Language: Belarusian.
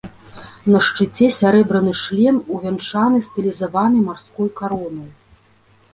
На шчыце сярэбраны шлем, увянчаны стылізаванай марской каронай.